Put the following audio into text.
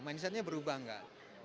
mindsetnya berubah nggak